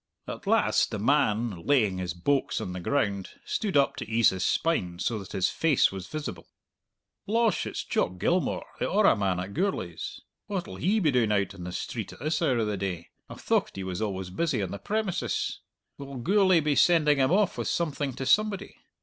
At last the man, laying his "boax" on the ground, stood up to ease his spine, so that his face was visible. "Losh, it's Jock Gilmour, the orra man at Gourlay's! What'll he be doing out on the street at this hour of the day? I thocht he was always busy on the premises! Will Gourlay be sending him off with something to somebody?